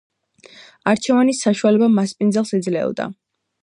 არჩევანის საშუალება მასპინძელს ეძლეოდა.